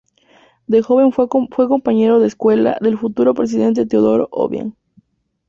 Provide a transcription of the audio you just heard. De joven fue compañero de escuela del futuro presidente Teodoro Obiang.